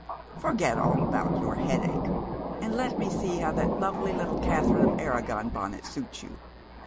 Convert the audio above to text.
Forget all about your headache, and let me see how that lovely little Catherine of Aragon bonnet suits you.